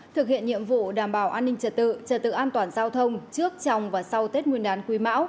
thực hiện nhiệm vụ đảm bảo an ninh trật tự trật tự an toàn giao thông trước trong và sau tết nguyên đán quý mão